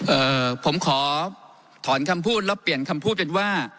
เอ่อผมขอถอนคำพูดแล้วเปลี่ยนคำพูดเป็นว่า